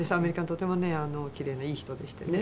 「とてもねきれいないい人でしてね